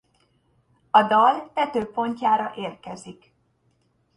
A dal tetőpontjára érkezik.